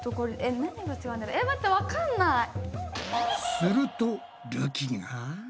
するとるきが。